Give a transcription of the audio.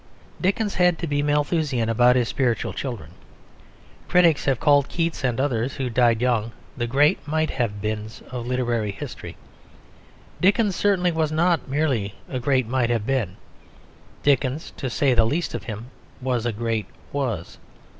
Dickens had to be Malthusian about his spiritual children. Critics have called Keats and others who died young "the great Might have beens of literary history." Dickens certainly was not merely a great Might have been. Dickens, to say the least of him, was a great Was.